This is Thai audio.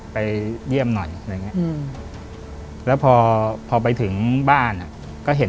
ไปเยี่ยมหน่อยแล้วพอไปถึงบ้านก็เห็น